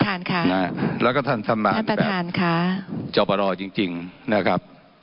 ท่านประธานค่ะท่านประธานค่ะแล้วก็ท่านทำงานแบบจบรจริงนะครับ